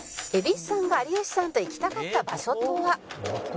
「蛭子さんが有吉さんと行きたかった場所とは？」